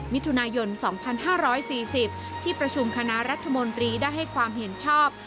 มิถุนายน๒๕๔๐ที่ประชุมคณะรัฐมนตรีได้ให้ความเห็นชอบ